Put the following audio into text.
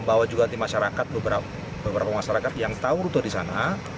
bahwa juga nanti masyarakat beberapa masyarakat yang tahu rute di sana